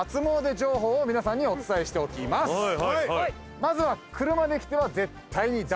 まずは。